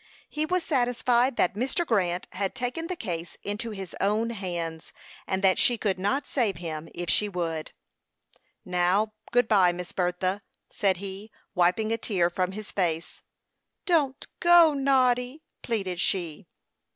He was satisfied that Mr. Grant had taken the case into his own hands, and that she could not save him if she would. "Now, good bye, Miss Bertha," said he, wiping a tear from his face. "Don't go, Noddy," pleaded she.